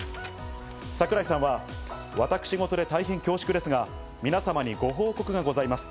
櫻井さんは私事で大変恐縮ですが、皆様にご報告がございます。